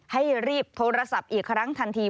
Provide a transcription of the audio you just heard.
ให้รีบโทรศัพท์อีกครั้งทันที